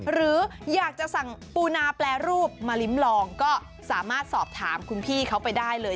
หรืออยากจะสั่งปูนาแปรรูปมาลิ้มลองก็สามารถสอบถามคุณพี่เขาไปได้เลย